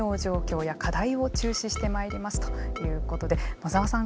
野澤さん